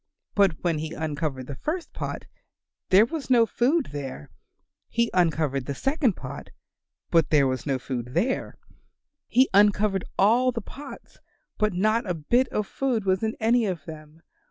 But when he uncovered the first pot there was no food there; he uncovered the second pot, but there was no food there; he uncovered all the pots, but not a bit of food was in any of them.